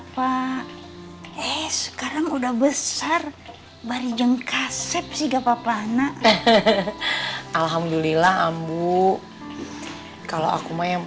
pak saya permisi dulu ya